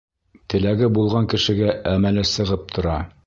Теләге булған кешегә әмәле сығып тора.